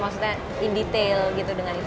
maksudnya in detail gitu dengan itu